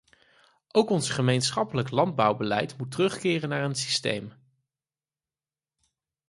Ook ons gemeenschappelijk landbouwbeleid moet terugkeren naar een systeem ...